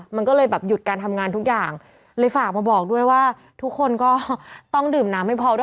มันก็เลยแบบหยุดการทำงานทุกอย่างเลยฝากมาบอกด้วยว่าทุกคนก็ต้องดื่มน้ำไม่พอด้วย